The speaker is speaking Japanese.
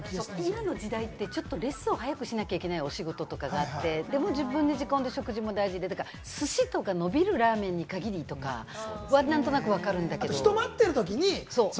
今の時代ってレスを早くしなきゃいけないお仕事があって、でも食事の時間も大事で、寿司とか伸びるラーメンに限りとか、それは何となくわかるけど。